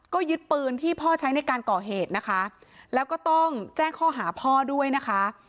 ก็ยึดปืนที่พ่อใช้ในการก่อเหตุนะคะแล้วก็ต้องแจ้งข้อหาพ่อด้วยนะคะ